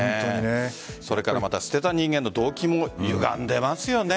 それから捨てた人間の動機もゆがんでいますよね。